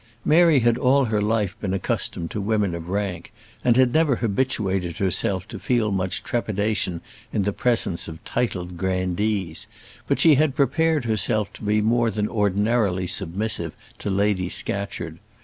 Mary had all her life been accustomed to women of rank, and had never habituated herself to feel much trepidation in the presence of titled grandees; but she had prepared herself to be more than ordinarily submissive to Lady Scatcherd.